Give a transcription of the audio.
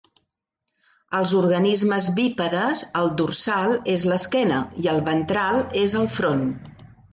Als organismes bípedes, el dorsal és l'esquena i el ventral és el front.